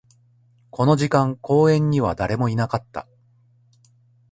この時間、公園には誰もいなかった